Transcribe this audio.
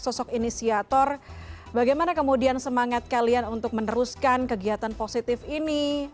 sosok inisiator bagaimana kemudian semangat kalian untuk meneruskan kegiatan positif ini